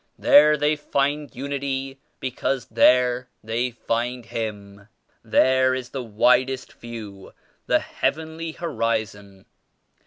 There they find unity because there they find Him. There is the widest view, the heavenly horizon.